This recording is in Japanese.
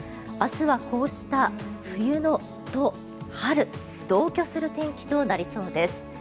明日はこうした、冬と春同居する天気となりそうです。